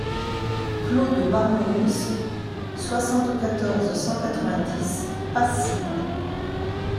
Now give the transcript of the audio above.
Clos de Barmerousse, soixante-quatorze, cent quatre-vingt-dix Passy